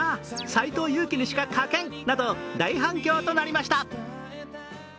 斎藤佑樹にしか書けんなど大反響となりました。